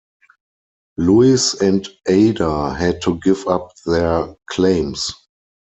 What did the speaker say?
Louis and Ada had to give up their claims.